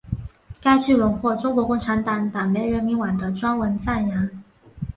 该剧荣获中国共产党党媒人民网的专文赞扬。